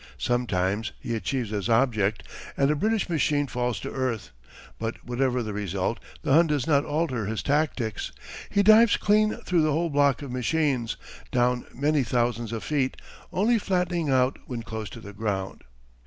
Sometimes he achieves his object and a British machine falls to earth, but whatever the result, the Hun does not alter his tactics. He dives clean through the whole block of machines, down many thousands of feet, only flattening out when close to the ground.